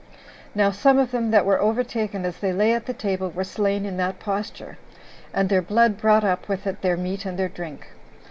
Now some of them that were overtaken as they lay at the table were slain in that posture, and their blood brought up with it their meat and their drink.